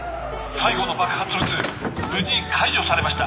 最後の爆発物無事解除されました。